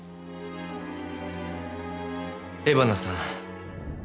江花さん。